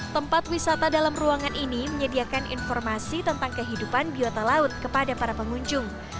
tempat wisata dalam ruangan ini menyediakan informasi tentang kehidupan biota laut kepada para pengunjung